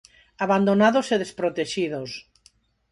Abandonados e desprotexidos.